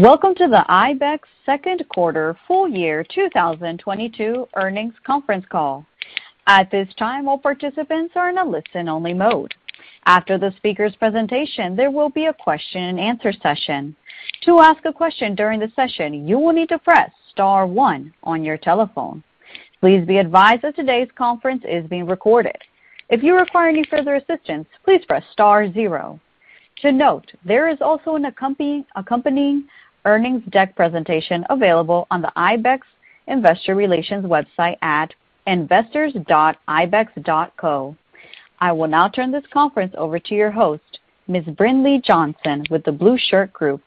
Welcome to the ibex Q2 Full Year 2022 Earnings Conference Call. At this time, all participants are in a listen-only mode. After the speaker's presentation, there will be a question and answer session. To ask a question during the session, you will need to press star one on your telephone. Please be advised that today's conference is being recorded. If you require any further assistance, please press star zero. To note, there is also an accompanying earnings deck presentation available on the ibex Investor Relations website at investors.ibex.co. I will now turn this conference over to your host, Ms. Brinlea Johnson with The Blueshirt Group.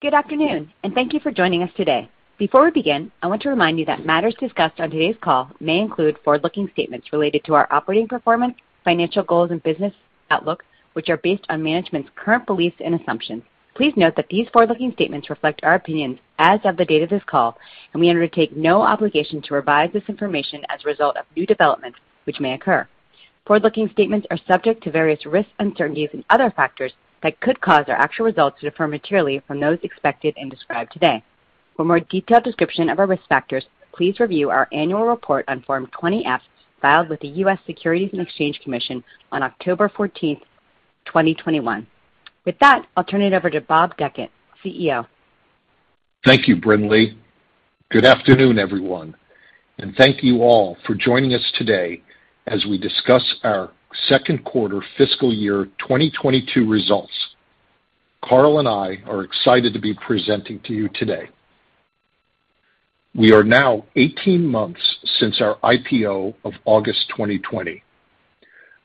Good afternoon, and thank you for joining us today. Before we begin, I want to remind you that matters discussed on today's call may include forward-looking statements related to our operating performance, financial goals and business outlook, which are based on management's current beliefs and assumptions. Please note that these forward-looking statements reflect our opinions as of the date of this call, and we undertake no obligation to revise this information as a result of new developments, which may occur. Forward-looking statements are subject to various risks, uncertainties and other factors that could cause our actual results to differ materially from those expected and described today. For more detailed description of our risk factors, please review our annual report on Form 20-F, filed with the U.S. Securities and Exchange Commission on October 14, 2021. With that, I'll turn it over to Bob Dechant, CEO. Thank you, Brinlea. Good afternoon, everyone, and thank you all for joining us today as we discuss our Q2 fiscal year 2022 results. Karl and I are excited to be presenting to you today. We are now 18 months since our IPO of August 2020.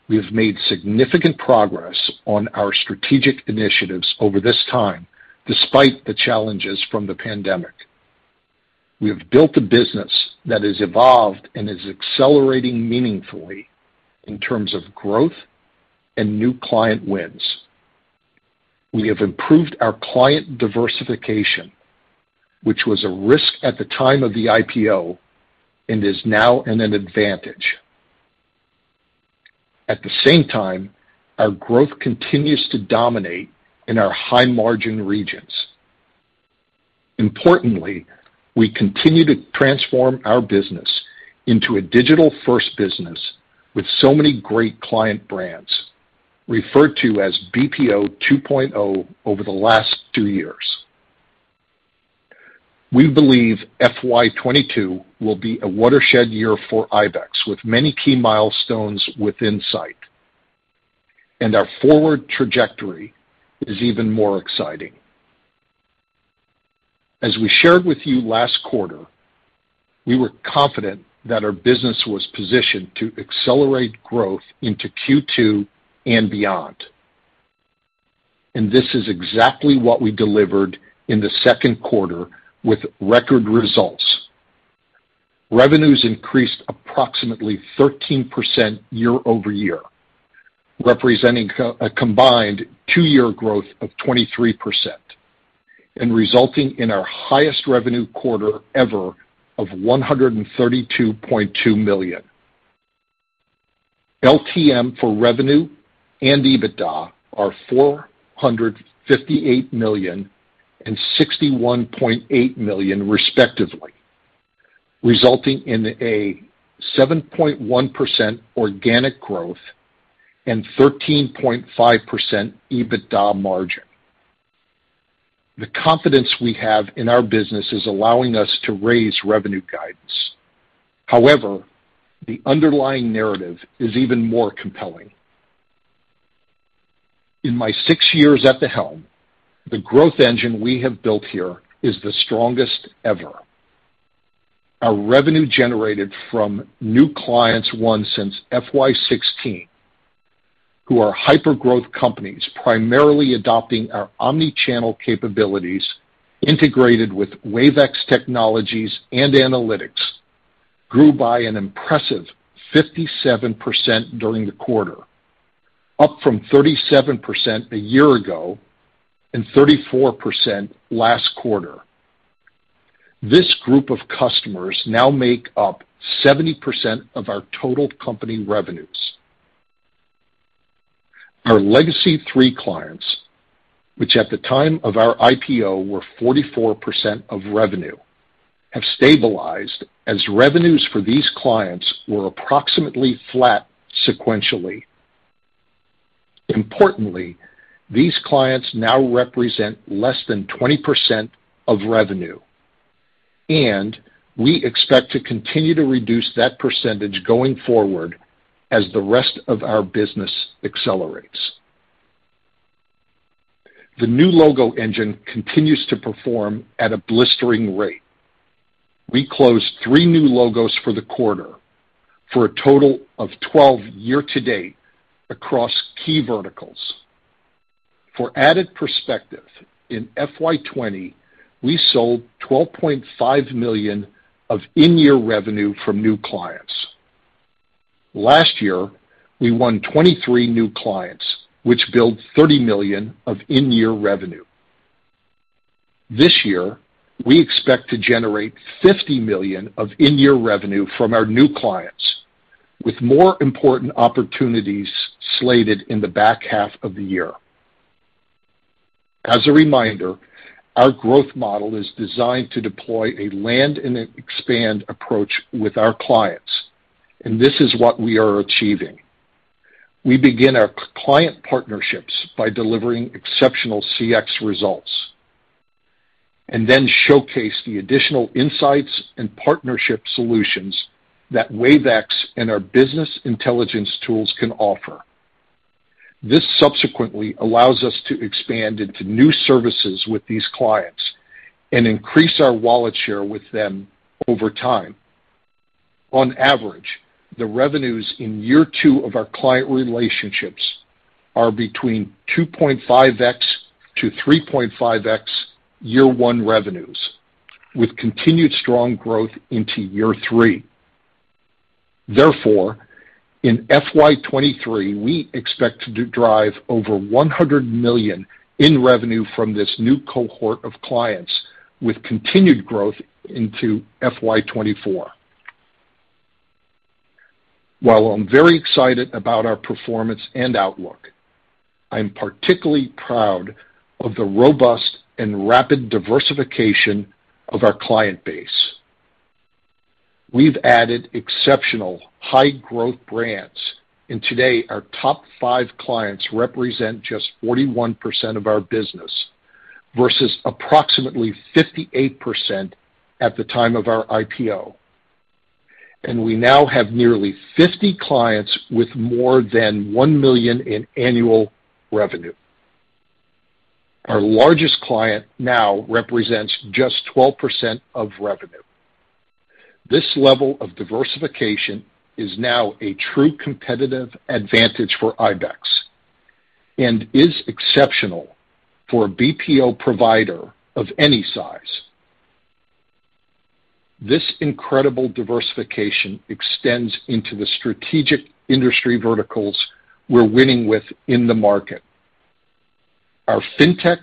We have made significant progress on our strategic initiatives over this time, despite the challenges from the pandemic. We have built a business that has evolved and is accelerating meaningfully in terms of growth and new client wins. We have improved our client diversification, which was a risk at the time of the IPO and is now an advantage. At the same time, our growth continues to dominate in our high-margin regions. Importantly, we continue to transform our business into a digital-first business with so many great client brands referred to as BPO 2.0 over the last two years. We believe FY 2022 will be a watershed year for ibex, with many key milestones within sight, and our forward trajectory is even more exciting. As we shared with you last quarter, we were confident that our business was positioned to accelerate growth into Q2 and beyond. This is exactly what we delivered in the Q2 with record results. Revenues increased approximately 13% year-over-year, representing a combined two-year growth of 23% and resulting in our highest revenue quarter ever of $132.2 million. LTM for revenue and EBITDA are $458 million and $61.8 million, respectively, resulting in a 7.1% organic growth, and 13.5% EBITDA margin. The confidence we have in our business is allowing us to raise revenue guidance. However, the underlying narrative is even more compelling. In my six years at the helm, the growth engine we have built here is the strongest ever. Our revenue generated from new clients won since FY 2016, who are hyper-growth companies primarily adopting our omnichannel capabilities integrated with Wave iX technologies and analytics, grew by an impressive 57% during the quarter, up from 37% a year ago and 34% last quarter. This group of customers now make up 70% of our total company revenues. Our legacy three clients, which at the time of our IPO were 44% of revenue, have stabilized as revenues for these clients were approximately flat sequentially. Importantly, these clients now represent less than 20% of revenue, and we expect to continue to reduce that percentage going forward as the rest of our business accelerates. The new logo engine continues to perform at a blistering rate. We closed three new logos for the quarter for a total of 12 year-to-date across key verticals. For added perspective, in FY 2020, we sold $12.5 million of in-year revenue from new clients. Last year, we won 23 new clients, which built $30 million of in-year revenue. This year, we expect to generate $50 million of in-year revenue from our new clients, with more important opportunities slated in the back half of the year. As a reminder, our growth model is designed to deploy a land and expand approach with our clients, and this is what we are achieving. We begin our client partnerships by delivering exceptional CX results, and then showcase the additional insights and partnership solutions that Wave iX and our business intelligence tools can offer. This subsequently allows us to expand into new services with these clients and increase our wallet share with them over time. On average, the revenues in year two of our client relationships are between 2.5x-3.5x year one revenues, with continued strong growth into year three. Therefore, in FY 2023, we expect to drive over $100 million in revenue from this new cohort of clients, with continued growth into FY 2024. While I'm very excited about our performance and outlook, I'm particularly proud of the robust and rapid diversification of our client base. We've added exceptional high growth brands, and today, our top five clients represent just 41% of our business, versus approximately 58% at the time of our IPO. We now have nearly 50 clients with more than $1 million in annual revenue. Our largest client now represents just 12% of revenue. This level of diversification is now a true competitive advantage for ibex and is exceptional for a BPO provider of any size. This incredible diversification extends into the strategic industry verticals we're winning with in the market. Our Fintech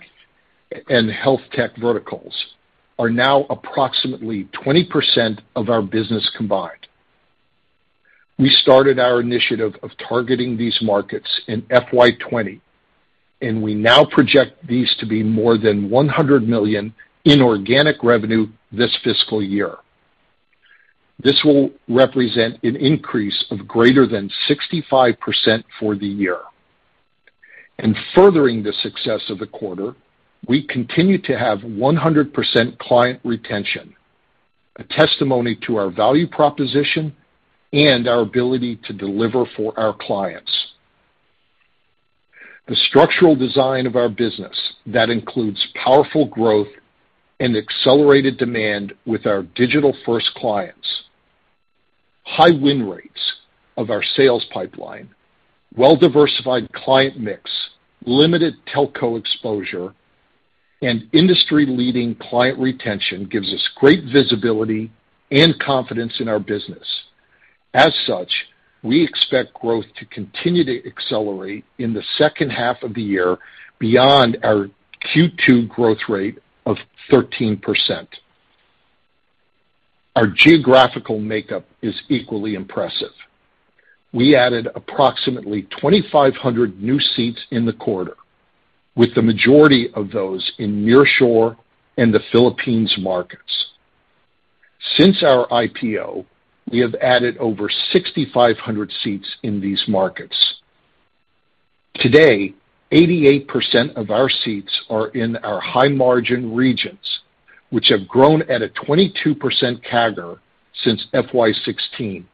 and Healthtech verticals are now approximately 20% of our business combined. We started our initiative of targeting these markets in FY 2020, and we now project these to be more than $100 million in organic revenue this fiscal year. This will represent an increase of greater than 65% for the year. Furthering the success of the quarter, we continue to have 100% client retention, a testimony to our value proposition, and our ability to deliver for our clients. The structural design of our business that includes powerful growth and accelerated demand with our digital-first clients, high win rates of our sales pipeline, well-diversified client mix, limited telco exposure, and industry-leading client retention gives us great visibility and confidence in our business. As such, we expect growth to continue to accelerate in the second half of the year beyond our Q2 growth rate of 13%. Our geographical makeup is equally impressive. We added approximately 2,500 new seats in the quarter, with the majority of those in nearshore and the Philippines markets. Since our IPO, we have added over 6,500 seats in these markets. Today, 88% of our seats are in our high margin regions, which have grown at a 22% CAGR since FY 2016.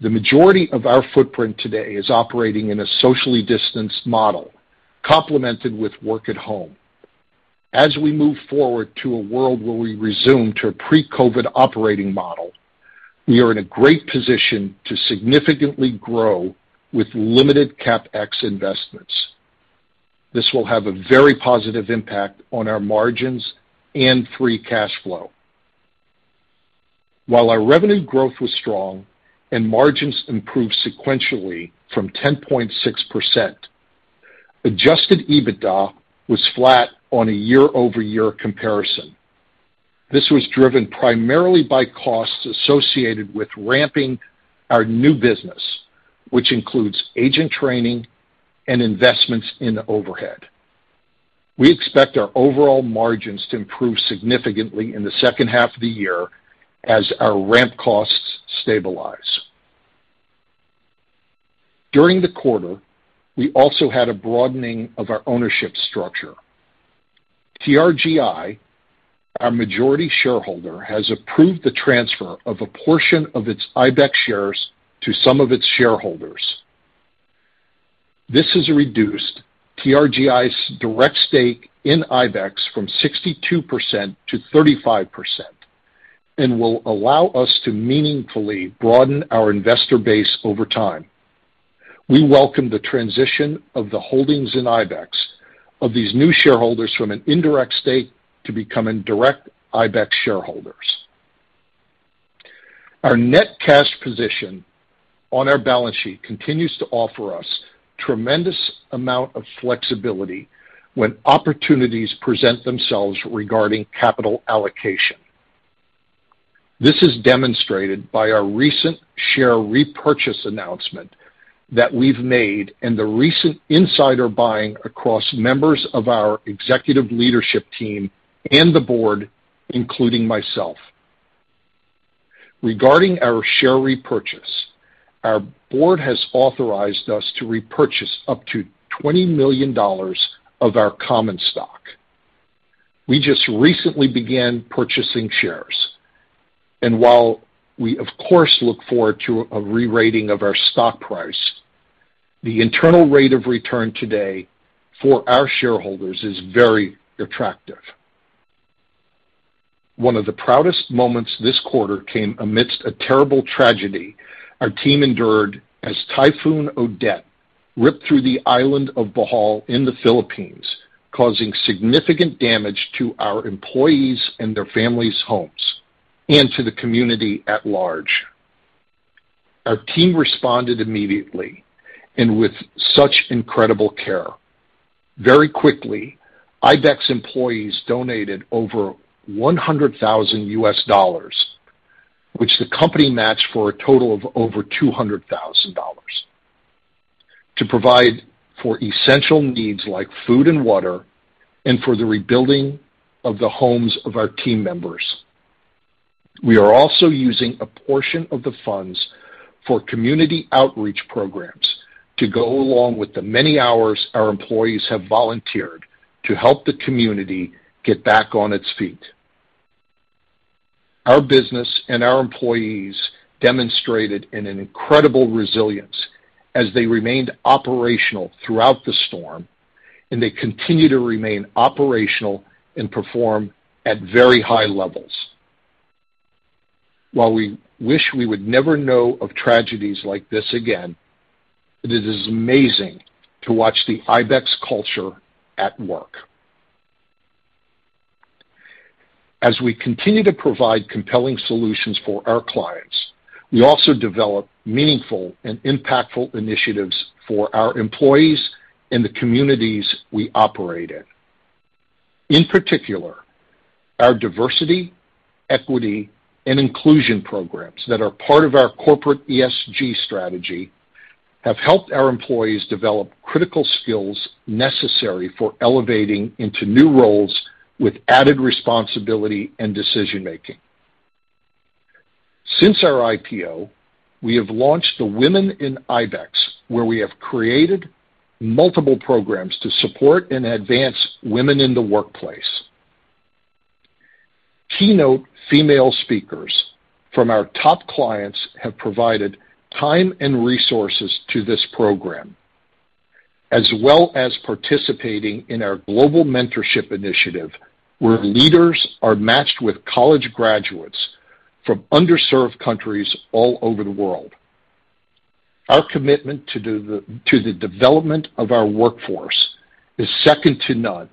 The majority of our footprint today is operating in a socially distanced model, complemented with work at home. As we move forward to a world where we resume to a pre-COVID operating model, we are in a great position to significantly grow with limited CapEx investments. This will have a very positive impact on our margins and free cash flow. While our revenue growth was strong and margins improved sequentially from 10.6%, adjusted EBITDA was flat on a year-over-year comparison. This was driven primarily by costs associated with ramping our new business, which includes agent training and investments in overhead. We expect our overall margins to improve significantly in the second half of the year as our ramp costs stabilize. During the quarter, we also had a broadening of our ownership structure. TRGI, our majority shareholder, has approved the transfer of a portion of its ibex shares to some of its shareholders. This has reduced TRGI's direct stake in ibex from 62% to 35% and will allow us to meaningfully broaden our investor base over time. We welcome the transition of the holdings in ibex of these new shareholders from an indirect stake to become a direct ibex shareholders. Our net cash position on our balance sheet continues to offer us a tremendous amount of flexibility when opportunities present themselves regarding capital allocation. This is demonstrated by our recent share repurchase announcement that we've made and the recent insider buying across members of our executive leadership team and the board, including myself. Regarding our share repurchase, our board has authorized us to repurchase up to $20 million of our common stock. We just recently began purchasing shares. While we of course look forward to a rerating of our stock price, the internal rate of return today for our shareholders is very attractive. One of the proudest moments this quarter came amidst a terrible tragedy our team endured as Typhoon Odette ripped through the island of Bohol in the Philippines, causing significant damage to our employees and their families' homes and to the community at large. Our team responded immediately and with such incredible care. Very quickly, ibex employees donated over $100,000, which the company matched for a total of over $200,000 to provide for essential needs like food and water and for the rebuilding of the homes of our team members. We are also using a portion of the funds for community outreach programs to go along with the many hours our employees have volunteered to help the community get back on its feet. Our business and our employees demonstrated an incredible resilience as they remained operational throughout the storm, and they continue to remain operational and perform at very high levels. While we wish we would never know of tragedies like this again, it is amazing to watch the ibex culture at work. As we continue to provide compelling solutions for our clients, we also develop meaningful and impactful initiatives for our employees and the communities we operate in. In particular, our diversity, equity, and inclusion programs that are part of our corporate ESG strategy have helped our employees develop critical skills necessary for elevating into new roles with added responsibility and decision-making. Since our IPO, we have launched the Women in ibex, where we have created multiple programs to support and advance women in the workplace. Keynote female speakers from our top clients have provided time and resources to this program, as well as participating in our global mentorship initiative, where leaders are matched with college graduates from underserved countries all over the world. Our commitment to the development of our workforce is second to none,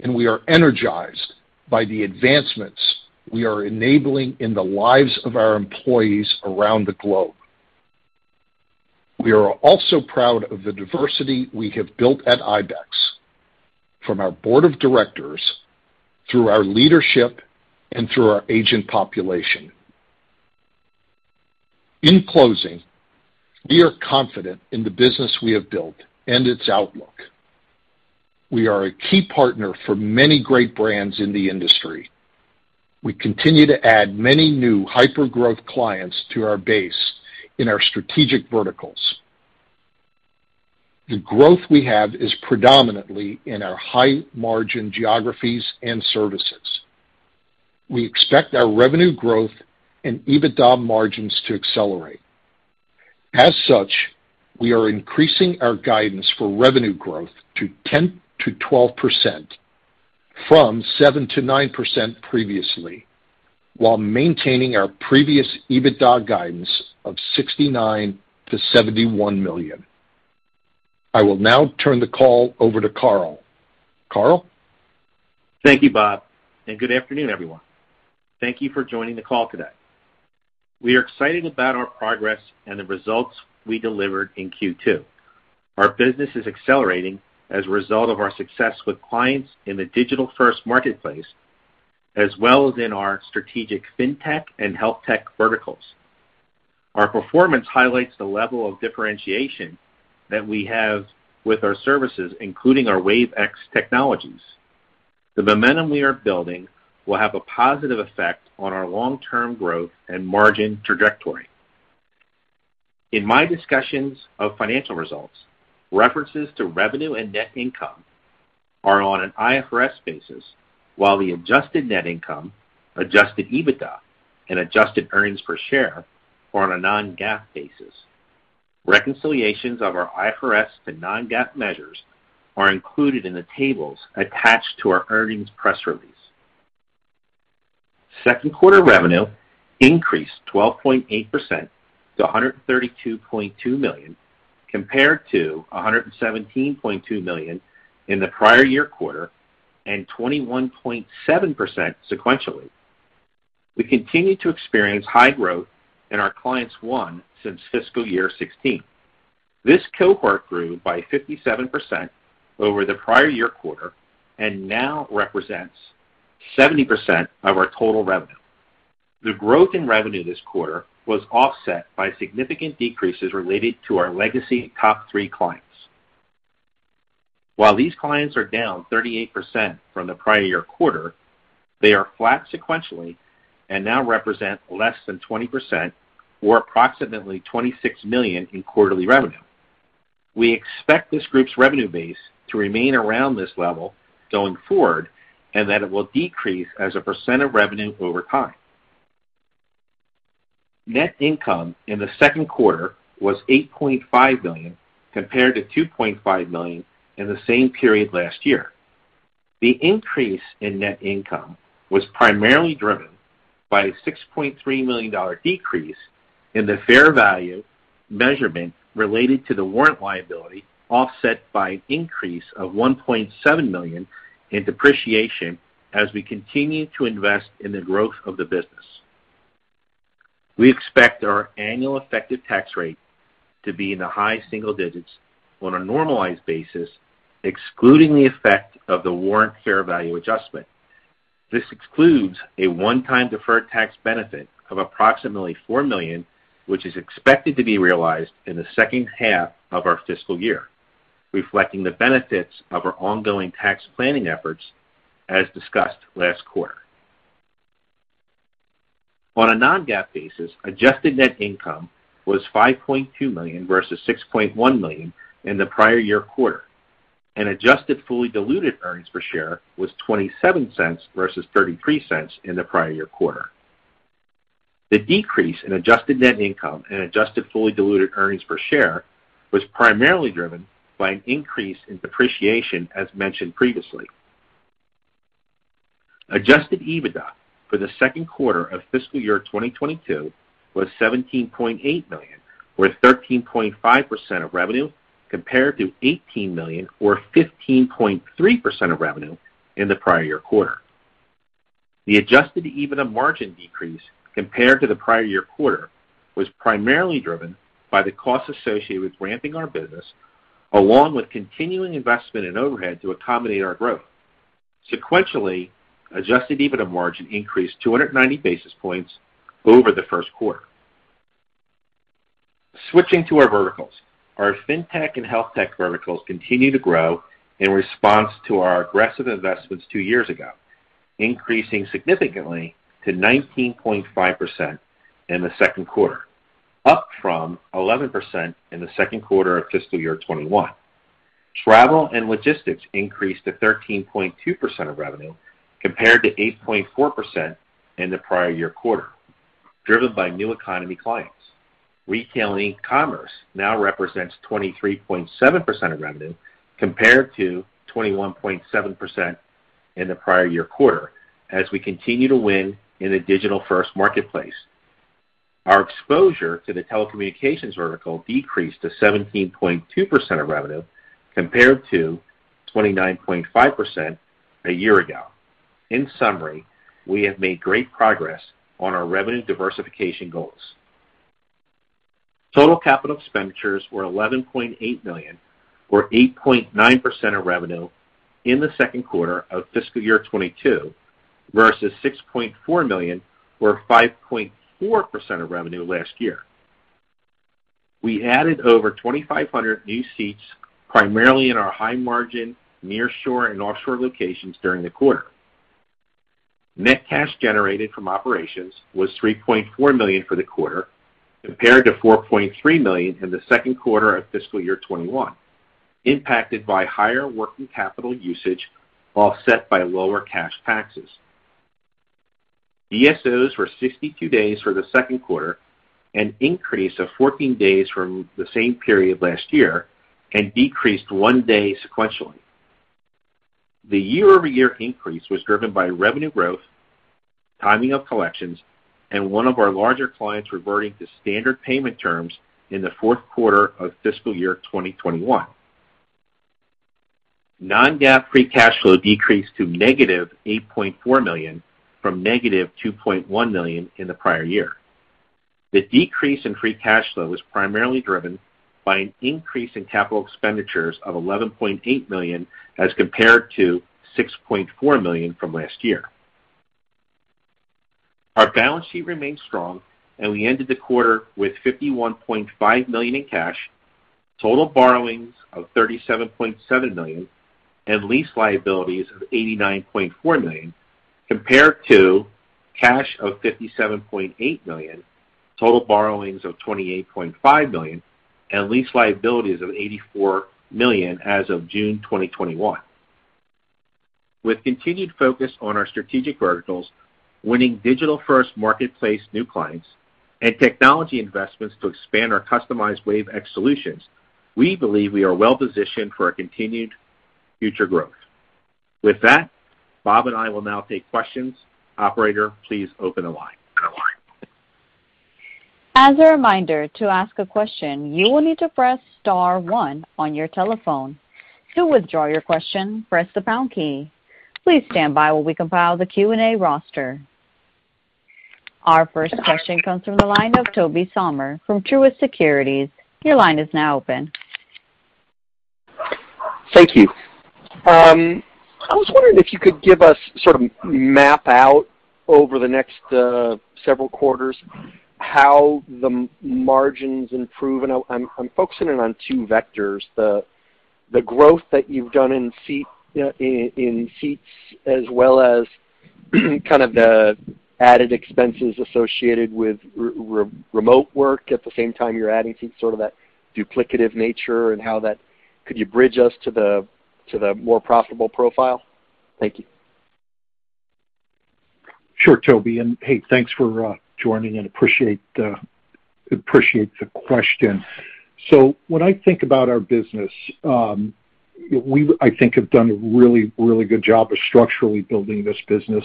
and we are energized by the advancements we are enabling in the lives of our employees around the globe. We are also proud of the diversity we have built at ibex, from our board of directors through our leadership and through our agent population. In closing, we are confident in the business we have built and its outlook. We are a key partner for many great brands in the industry. We continue to add many new hyper-growth clients to our base in our strategic verticals. The growth we have is predominantly in our high-margin geographies and services. We expect our revenue growth and EBITDA margins to accelerate. As such, we are increasing our guidance for revenue growth to 10%-12% from 7%-9% previously, while maintaining our previous EBITDA guidance of $69 million-$71 million. I will now turn the call over to Karl. Karl? Thank you, Bob, and good afternoon, everyone. Thank you for joining the call today. We are excited about our progress and the results we delivered in Q2. Our business is accelerating as a result of our success with clients in the digital-first marketplace, as well as in our strategic fintech and healthtech verticals. Our performance highlights the level of differentiation that we have with our services, including our Wave iX technologies. The momentum we are building will have a positive effect on our long-term growth and margin trajectory. In my discussions of financial results, references to revenue and net income are on an IFRS basis, while the adjusted net income, adjusted EBITDA, and adjusted earnings per share are on a non-GAAP basis. Reconciliations of our IFRS to non-GAAP measures are included in the tables attached to our earnings press release. Q2 revenue increased 12.8% to $132.2 million compared to $117.2 million in the prior year quarter and 21.7% sequentially. We continue to experience high growth in our clients won since fiscal year 2016. This cohort grew by 57% over the prior year quarter and now represents 70% of our total revenue. The growth in revenue this quarter was offset by significant decreases related to our legacy top three clients. While these clients are down 38% from the prior year quarter, they are flat sequentially and now represent less than 20% or approximately $26 million in quarterly revenue. We expect this group's revenue base to remain around this level going forward, and that it will decrease as a percent of revenue over time. Net income in the Q2 was $8.5 million, compared to $2.5 million in the same period last year. The increase in net income was primarily driven by a $6.3 million decrease in the fair value measurement related to the warrant liability, offset by an increase of $1.7 million in depreciation as we continue to invest in the growth of the business. We expect our annual effective tax rate to be in the high single digits on a normalized basis, excluding the effect of the warrant fair value adjustment. This excludes a one-time deferred tax benefit of approximately $4 million, which is expected to be realized in the second half of our fiscal year, reflecting the benefits of our ongoing tax planning efforts as discussed last quarter. On a non-GAAP basis, adjusted net income was $5.2 million versus $6.1 million in the prior year quarter, and adjusted fully diluted earnings per share was $0.27 versus $0.33 in the prior year quarter. The decrease in adjusted net income and adjusted fully diluted earnings per share was primarily driven by an increase in depreciation, as mentioned previously. Adjusted EBITDA for the Q2 of fiscal year 2022 was $17.8 million, or 13.5% of revenue, compared to $18 million or 15.3% of revenue in the prior year quarter. The adjusted EBITDA margin decrease compared to the prior year quarter was primarily driven by the costs associated with ramping our business, along with continuing investment in overhead to accommodate our growth. Sequentially, adjusted EBITDA margin increased 290 basis points over the Q1. Switching to our verticals. Our Fintech and Healthtech verticals continue to grow in response to our aggressive investments two years ago, increasing significantly to 19.5% in the Q2, up from 11% in the Q2 of fiscal year 2021. Travel and logistics increased to 13.2% of revenue, compared to 8.4% in the prior year quarter, driven by new economy clients. Retail and e-commerce now represents 23.7% of revenue compared to 21.7% in the prior year quarter as we continue to win in a digital-first marketplace. Our exposure to the telecommunications vertical decreased to 17.2% of revenue compared to 29.5% a year ago. In summary, we have made great progress on our revenue diversification goals. Total capital expenditures were $11.8 million, or 8.9% of revenue in the Q2 of fiscal year 2022, versus $6.4 million or 5.4% of revenue last year. We added over 2,500 new seats, primarily in our high margin nearshore and offshore locations during the quarter. Net cash generated from operations was $3.4 million for the quarter, compared to $4.3 million in the Q2 of fiscal year 2021, impacted by higher working capital usage, offset by lower cash taxes. DSOs were 62 days for the Q2, an increase of 14 days from the same period last year and decreased one day sequentially. The year-over-year increase was driven by revenue growth, timing of collections and one of our larger clients reverting to standard payment terms in the Q4 of fiscal year 2021. Non-GAAP free cash flow decreased to negative $8.4 million from negative $2.1 million in the prior year. The decrease in free cash flow was primarily driven by an increase in capital expenditures of $11.8 million, as compared to $6.4 million from last year. Our balance sheet remains strong and we ended the quarter with $51.5 million in cash, total borrowings of $37.7 million and lease liabilities of $89.4 million, compared to cash of $57.8 million, total borrowings of $28.5 million and lease liabilities of $84 million as of June 2021. With continued focus on our strategic verticals, winning digital-first marketplace new clients, and technology investments to expand our customized Wave iX solutions, we believe we are well positioned for a continued future growth. With that, Bob and I will now take questions. Operator, please open the line. As a reminder, to ask a question, you will need to press star one on your telephone. To withdraw your question, press the pound key. Please stand by while we compile the Q&A roster. Our first question comes from the line of Tobey Sommer from Truist Securities. Your line is now open. Thank you. I was wondering if you could give us sort of map out over the next several quarters how the margins improve. I'm focusing in on two vectors, the growth that you've done in seats, as well as kind of the added expenses associated with remote work. At the same time, you're adding seats, sort of that duplicative nature and how that. Could you bridge us to the more profitable profile? Thank you. Sure, Tobey. Hey, thanks for joining and appreciate the question. When I think about our business, I think we have done a really good job of structurally building this business,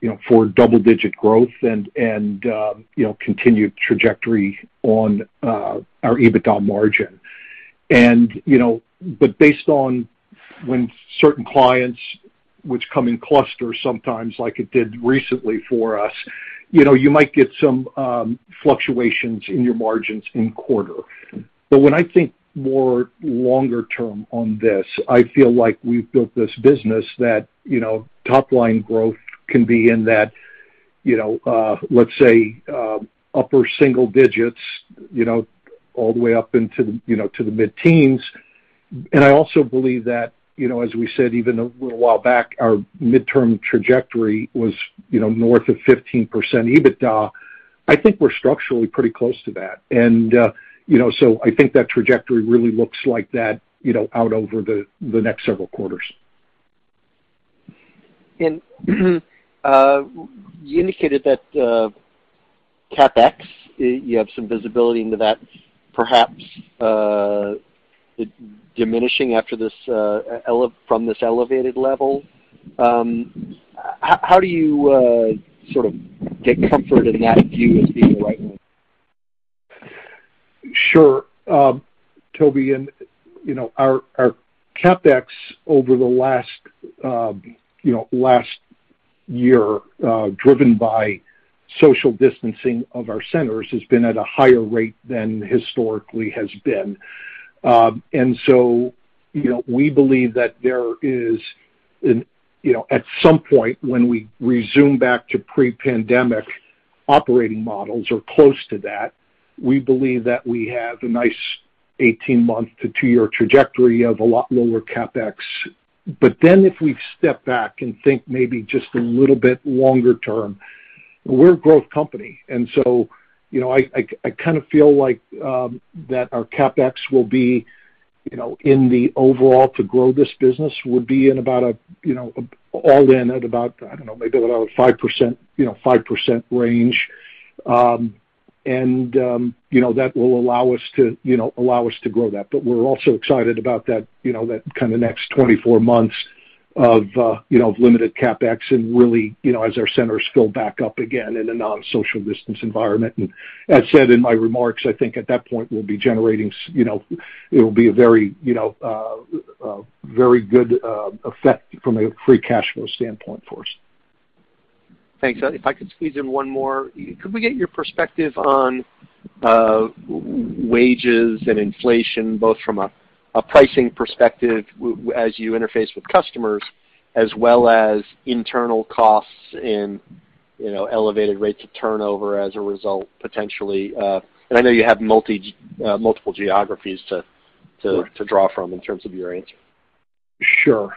you know, for double-digit growth and, you know, continued trajectory on our EBITDA margin. You know, but based on when certain clients which come in clusters sometimes like it did recently for us, you know, you might get some fluctuations in your margins in quarter. When I think more longer term on this, I feel like we've built this business that, you know, top line growth can be in that, you know, let's say, upper single digits, you know, all the way up into, you know, to the mid-teens. I also believe that, you know, as we said, even a little while back, our midterm trajectory was, you know, north of 15% EBITDA. I think we're structurally pretty close to that. You know, so I think that trajectory really looks like that, you know, out over the next several quarters. You indicated that CapEx, you have some visibility into that perhaps diminishing after this from this elevated level. How do you sort of take comfort in that view as being the right one? Sure. Toby, you know, our CapEx over the last, you know, last year, driven by social distancing of our centers has been at a higher rate than historically has been. You know, we believe that there is, you know, at some point when we resume back to pre-pandemic operating models or close to that, we believe that we have a nice 18-month to two-year trajectory of a lot lower CapEx. If we step back and think maybe just a little bit longer term, we're a growth company. You know, I kind of feel like that our CapEx will be, you know, in the overall to grow this business would be in about, you know, all in at about, I don't know, maybe about a 5%, you know, 5% range. You know, that will allow us to grow that. We're also excited about that, you know, that kind of next 24 months of limited CapEx and really, you know, as our centers fill back up again in a non-social distance environment. As said in my remarks, I think at that point we'll be generating, you know, it will be a very good effect from a free cash flow standpoint for us. Thanks. If I could squeeze in one more. Could we get your perspective on wages and inflation, both from a pricing perspective as you interface with customers as well as internal costs and, you know, elevated rates of turnover as a result, potentially? I know you have multiple geographies to draw from in terms of your answer. Sure.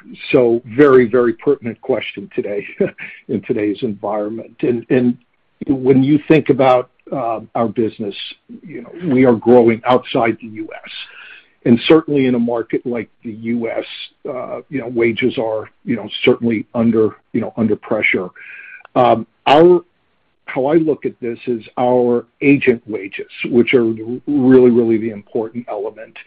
Very pertinent question today, in today's environment. When you think about our business, we are growing outside the U.S. Certainly in a market like the U.S., wages are certainly under pressure. How I look at this is our agent wages, which are really the important element,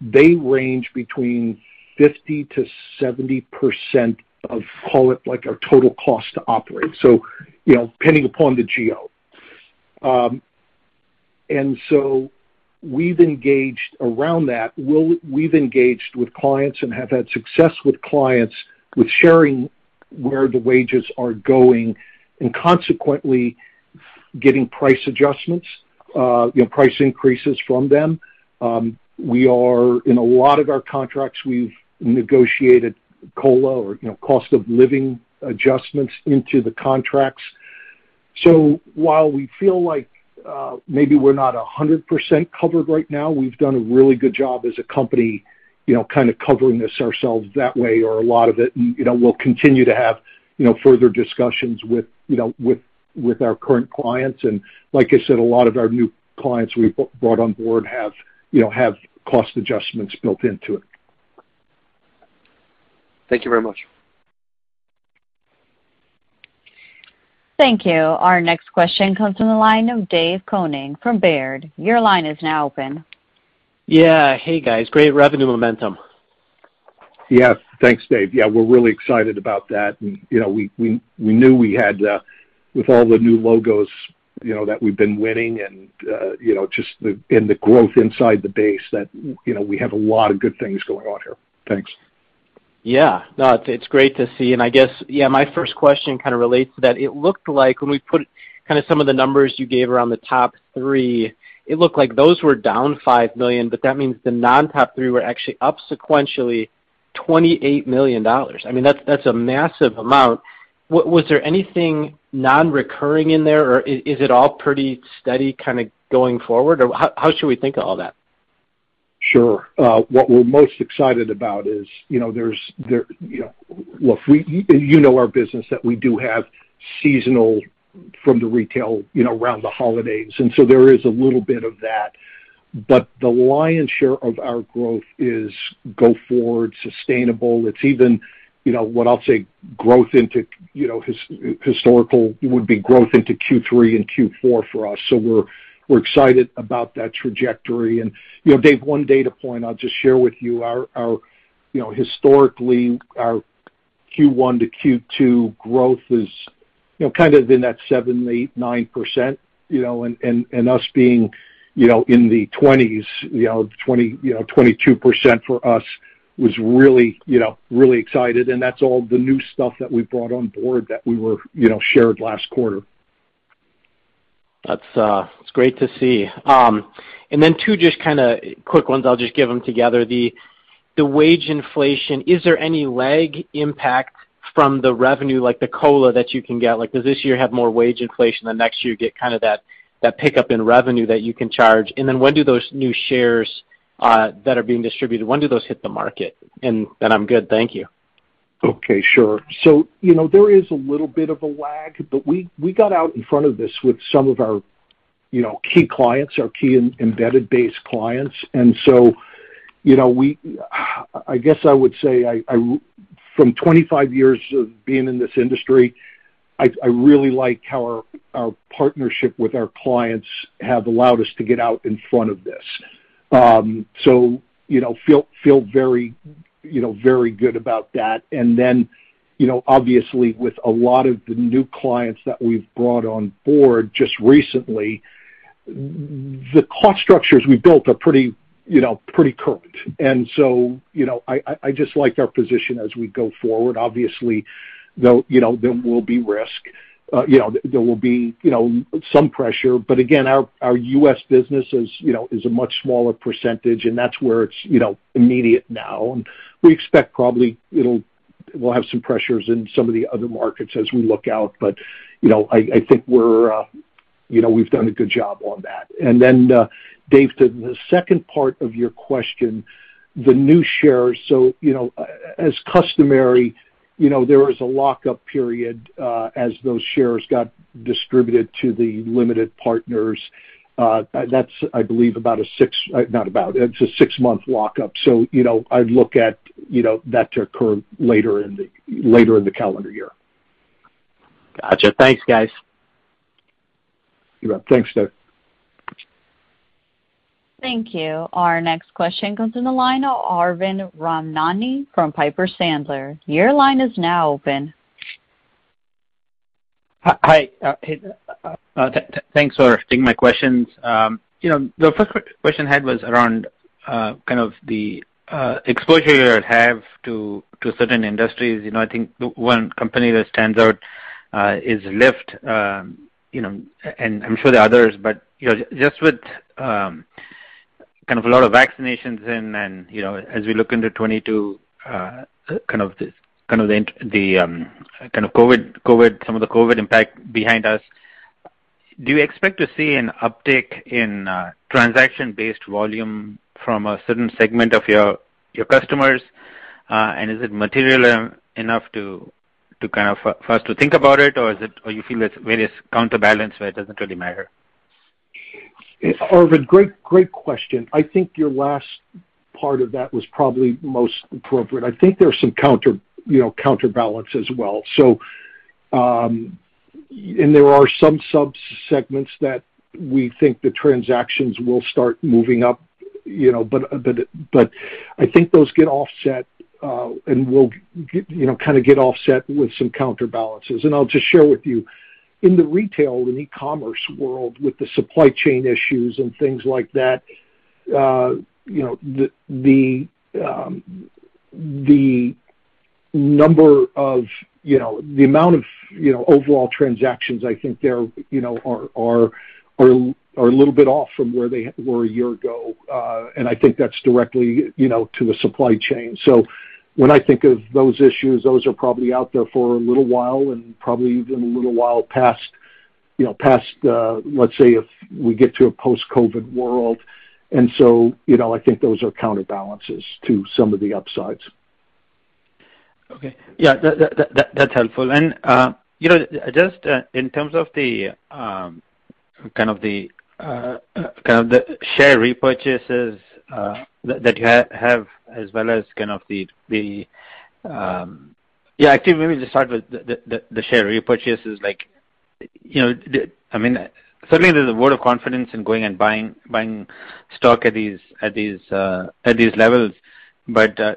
they range between 50%-70% of call it like our total cost to operate, depending upon the geo. We've engaged around that. We've engaged with clients and have had success with clients with sharing where the wages are going and consequently getting price adjustments, price increases from them. We are in a lot of our contracts, we've negotiated COLA or cost of living adjustments into the contracts. While we feel like, maybe we're not 100% covered right now, we've done a really good job as a company, you know, kind of covering this ourselves that way or a lot of it. You know, we'll continue to have, you know, further discussions with our current clients. Like I said, a lot of our new clients we brought on board have, you know, cost adjustments built into it. Thank you very much. Thank you. Our next question comes from the line of David Koning from Baird. Your line is now open. Yeah. Hey, guys. Great revenue momentum. Yeah. Thanks, Dave. Yeah, we're really excited about that. You know, we knew we had, with all the new logos, you know, that we've been winning and, you know, the growth inside the base that, you know, we have a lot of good things going on here. Thanks. Yeah. No, it's great to see. I guess, yeah, my first question kind of relates to that. It looked like when we put kind of some of the numbers you gave around the top three, it looked like those were down $5 million, but that means the non-top three were actually up sequentially $28 million. I mean, that's a massive amount. Was there anything non-recurring in there, or is it all pretty steady kind of going forward? Or how should we think of all that? Sure. What we're most excited about is, you know, our business, that we do have seasonality from the retail, you know, around the holidays. So there is a little bit of that. The lion's share of our growth is going forward, sustainable. It's even, you know, what I'll say growth into, you know, historically would be growth into Q3 and Q4 for us. We're excited about that trajectory. You know, Dave, one data point I'll just share with you. You know, historically, our Q1 to Q2 growth is, you know, kind of in that certainly 9%, you know, and us being, you know, in the 20s, you know, 22% for us was really, you know, really excited, and that's all the new stuff that we brought on board that we were, you know, shared last quarter. That's great to see. Two just kind of quick ones. I'll just give them together. The wage inflation, is there any lag impact from the revenue, like the COLA that you can get? Like, does this year have more wage inflation, the next year get kind of that pickup in revenue that you can charge? When do those new shares that are being distributed, when do those hit the market? I'm good. Thank you. Okay. Sure. You know, there is a little bit of a lag, but we got out in front of this with some of our key clients, our key embedded base clients. You know, I guess I would say from 25 years of being in this industry, I really like how our partnership with our clients have allowed us to get out in front of this. You know, feel very good about that. You know, obviously, with a lot of the new clients that we've brought on board just recently, the cost structures we built are pretty current. You know, I just like our position as we go forward. Obviously, though, you know, there will be risk, you know, some pressure. Our US business is, you know, a much smaller percentage, and that's where it's, you know, immediate now. We expect probably we'll have some pressures in some of the other markets as we look out. You know, I think we're, you know, we've done a good job on that. Then, Dave, to the second part of your question, the new shares. You know, as customary, you know, there is a lockup period, as those shares got distributed to the limited partners. That's, I believe, it's a six-month lockup. You know, I'd look at, you know, that to occur later in the calendar year. Gotcha. Thanks, guys. You're welcome. Thanks, Dave. Thank you. Our next question comes in the line of Arvind Ramnani from Piper Sandler. Your line is now open. Hi. Hey, thanks for taking my questions. You know, the first question I had was around kind of the exposure you have to certain industries. You know, I think the one company that stands out is Lyft, you know, and I'm sure there are others. You know, just with kind of a lot of vaccinations in and, you know, as we look into 2022, kind of the COVID impact behind us, do you expect to see an uptick in transaction-based volume from a certain segment of your customers? And is it material enough to kind of first think about it, or you feel it's various counterbalance where it doesn't really matter? Arvind, great question. I think your last part of that was probably most appropriate. I think there's some counterbalance as well. There are some subsegments that we think the transactions will start moving up, you know. But I think those get offset and will kind of get offset with some counterbalances. I'll just share with you, in the retail and e-commerce world, with the supply chain issues and things like that, you know, the number of the amount of overall transactions I think they are a little bit off from where they were a year ago. I think that's directly to the supply chain. When I think of those issues, those are probably out there for a little while and probably even a little while past, you know, past, let's say if we get to a post-COVID world. You know, I think those are counterbalances to some of the upsides. Okay. Yeah. That's helpful. You know, just in terms of the share repurchases that you have. Actually, maybe just start with the share repurchases, like, you know. I mean, certainly there's a vote of confidence in going and buying stock at these levels. Do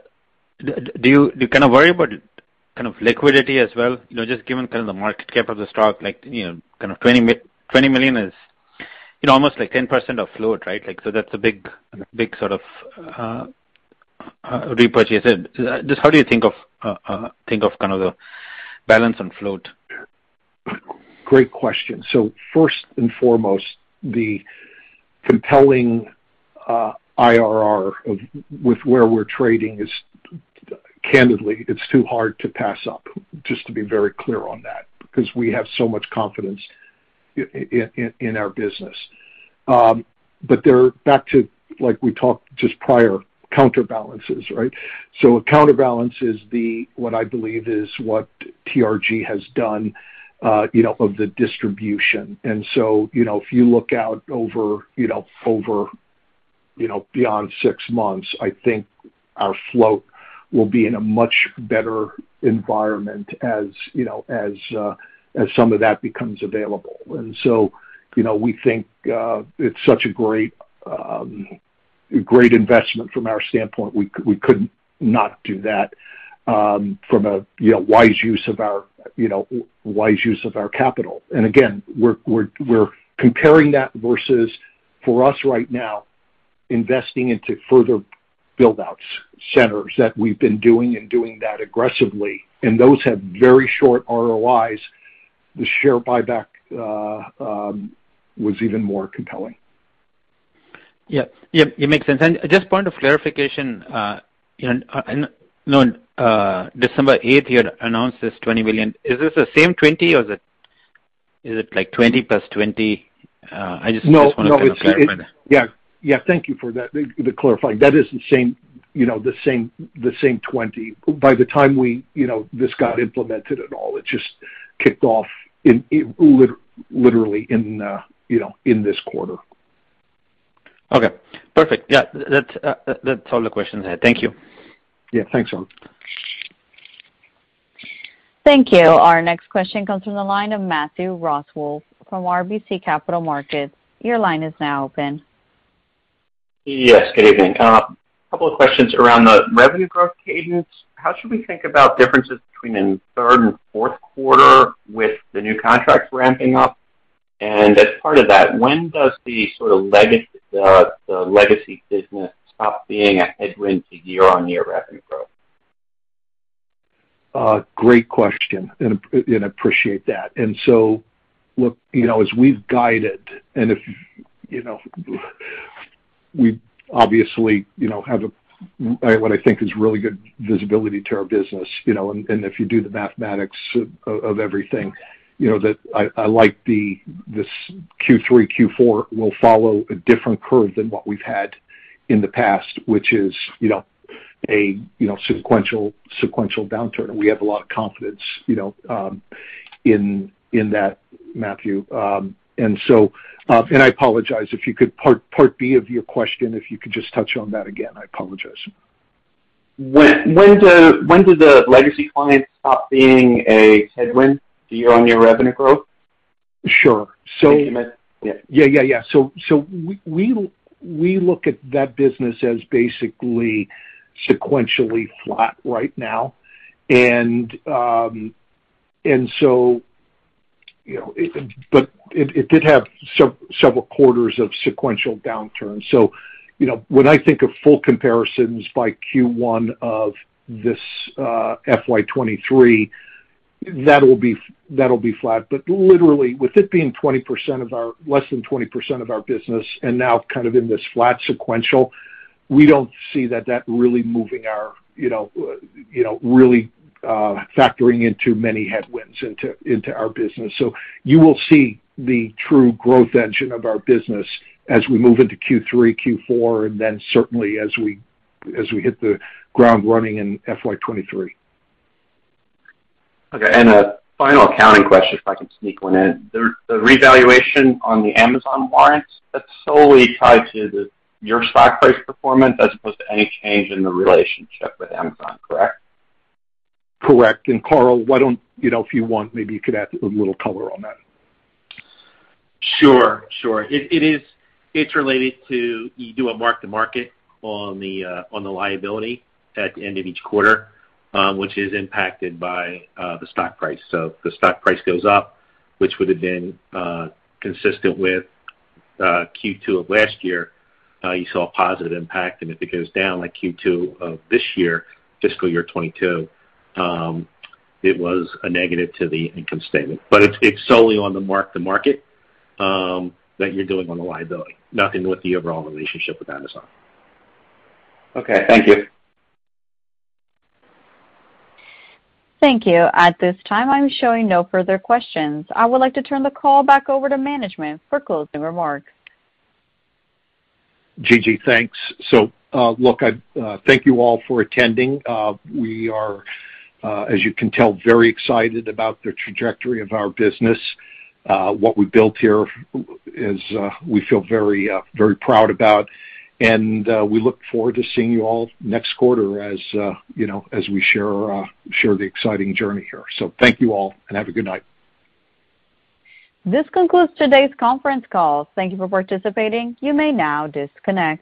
you kind of worry about kind of liquidity as well? You know, just given kind of the market cap of the stock, like, you know, kind of 20 million is, you know, almost like 10% of float, right? Like, so that's a big sort of repurchase. Just how do you think of kind of the balance on float? Great question. First and foremost, the compelling IRR where we're trading is, candidly, it's too hard to pass up, just to be very clear on that, because we have so much confidence in our business. To get back to like we talked just prior, counterbalances, right? A counterbalance is the, what I believe is what TRGI has done, you know, of the distribution. You know, if you look out over, you know, beyond six months, I think our float will be in a much better environment as you know, as some of that becomes available. You know, we think it's such a great investment from our standpoint. We couldn't not do that, you know, from a wise use of our capital. Again, we're comparing that versus for us right now, investing into further build-outs centers that we've been doing and doing that aggressively. Those have very short ROIs. The share buyback was even more compelling. Yeah. Yep, it makes sense. Just a point of clarification, you know, December eighth, you had announced this $20 million. Is this the same 20 or is it like 20 plus 20? I just. No, no. I want to kind of clarify that. Yeah. Yeah, thank you for that, the clarifying. That is the same, you know, the same 20. By the time we, you know, this got implemented at all, it just kicked off literally, you know, in this quarter. Okay, perfect. Yeah. That's all the questions I had. Thank you. Yeah, thanks, Arvind. Thank you. Our next question comes from the line of Matthew Roswell from RBC Capital Markets. Your line is now open. Yes, good evening. A couple of questions around the revenue growth cadence. How should we think about differences between the Q3 and Q4 with the new contracts ramping up? As part of that, when does the legacy business stop being a headwind to year-on-year revenue growth? Great question, and appreciate that. Look, you know, as we've guided and if, you know, we obviously, you know, have what I think is really good visibility to our business, you know. If you do the mathematics of everything, you know, that I like this Q3, Q4 will follow a different curve than what we've had in the past, which is, you know, a sequential downturn. We have a lot of confidence, you know, in that, Matthew. I apologize if you could part B of your question, if you could just touch on that again. I apologize. When do the legacy clients stop being a headwind to year-on-year revenue growth? Sure. Can you hear me? Yeah. Yeah. We look at that business as basically sequentially flat right now. It did have several quarters of sequential downturn. You know, when I think of full comparisons by Q1 of this FY 2023, that'll be flat. Literally, with it being 20% of our business, less than 20% of our business and now kind of in this flat sequential, we don't see that really moving our, you know, really factoring into many headwinds into our business. You will see the true growth engine of our business as we move into Q3, Q4, and then certainly as we hit the ground running in FY 2023. Okay. A final accounting question, if I can sneak one in. The revaluation on the Amazon warrants, that's solely tied to your stock price performance as opposed to any change in the relationship with Amazon, correct? Correct. Karl, why don't, you know, if you want, maybe you could add a little color on that. Sure. It's related to you do a mark-to-market on the liability at the end of each quarter, which is impacted by the stock price. The stock price goes up, which would have been consistent with Q2 of last year, you saw a positive impact, and if it goes down like Q2 of this year, fiscal year 2022, it was a negative to the income statement. It's solely on the mark-to-market that you're doing on the liability, nothing with the overall relationship with Amazon. Okay. Thank you. Thank you. At this time, I'm showing no further questions. I would like to turn the call back over to management for closing remarks. Gigi, thanks. Look, I thank you all for attending. We are, as you can tell, very excited about the trajectory of our business. What we built here is, we feel very, very proud about, and we look forward to seeing you all next quarter as, you know, as we share the exciting journey here. Thank you all, and have a good night. This concludes today's conference call. Thank you for participating. You may now disconnect.